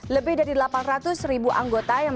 lebih dari delapan ratus ribu anggota yang